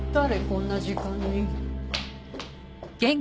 こんな時間に。